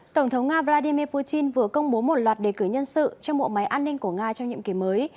tổng thống nga vladimir putin vừa công bố một loạt đề cử nhân sự cho bộ máy an ninh của nga trong nhiệm kỳ mới